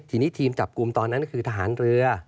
ทีนี้ทีมจับกลุ่มตอนนั้นคือทหารเรือ